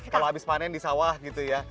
kalau habis panen di sawah gitu ya